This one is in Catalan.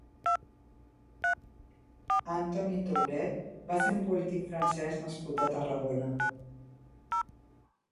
Antony Thouret va ser un polític francès nascut a Tarragona.